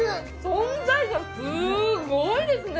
存在感すごいですね！